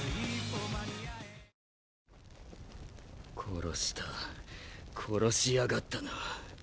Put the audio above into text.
殺した殺しやがったな。